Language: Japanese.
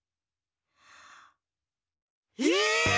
え！？